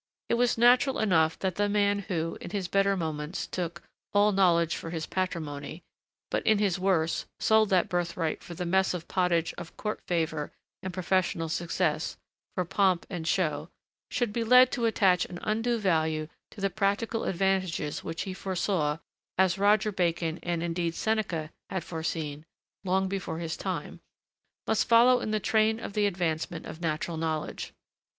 It was natural enough that the man who, in his better moments, took 'all knowledge for his patrimony,' but, in his worse, sold that birthright for the mess of pottage of Court favor and professional success, for pomp and show, should be led to attach an undue value to the practical advantages which he foresaw, as Roger Bacon and, indeed, Seneca had foreseen, long before his time, must follow in the train of the advancement of natural knowledge.